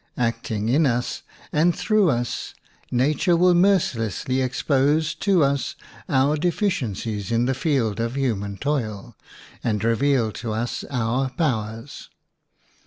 Acting in us, and through us, nature will mercilessly ex pose to us our deficiencies in the field of human toil and reveal to us our pow ers.